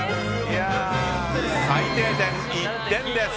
最低点、１点です。